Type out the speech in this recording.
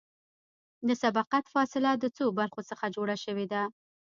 د سبقت فاصله د څو برخو څخه جوړه شوې ده